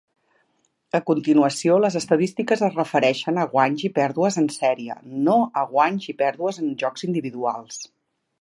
A continuació, les estadístiques es refereixen a guanys i pèrdues en sèrie, no a guanys i pèrdues de jocs individuals.